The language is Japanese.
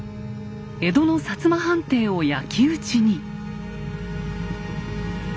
江戸の摩藩邸を焼き打ちに。